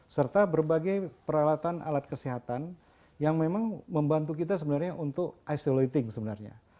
serta berbagai peralatan alat kesehatan yang memang membantu kita sebenarnya untuk isolating sebenarnya